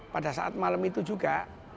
pada saat malam itu juga